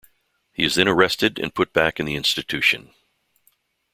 He is then arrested and put back in the institution.